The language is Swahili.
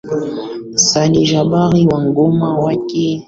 Saleh Jabir na ngoma yake ya Ice Ice Baby alingara vilivyo kwenye mashindano hayo